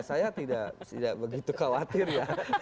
saya tidak begitu khawatir ya